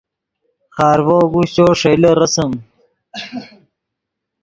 خارڤو اگوشچو ݰئیلے رسم